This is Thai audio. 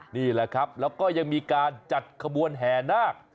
นี่แหละครับแล้วก็ยังมีการจัดขบวนแห่นาค